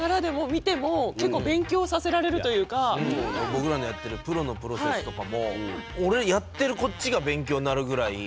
でもやっぱ僕らのやってる「プロのプロセス」とかもやってるこっちが勉強になるぐらい。